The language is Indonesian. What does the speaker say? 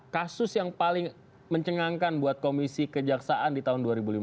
kasus yang paling mencengangkan buat komisi kejaksaan di tahun dua ribu lima belas